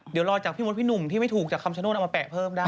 เดี๋ยวรอจากพี่มดพี่หนุ่มที่ไม่ถูกจากคำชโนธเอามาแปะเพิ่มได้